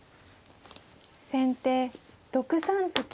先手６三と金。